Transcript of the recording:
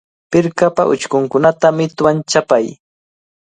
Pirqapa uchkunkunata mituwan chapay.